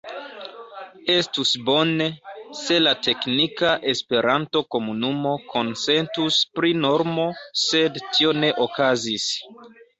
Estus bone, se la teknika Esperanto-komunumo konsentus pri normo, sed tio ne okazis.